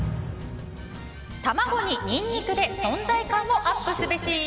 卵にニンニクで存在感をアップすべし。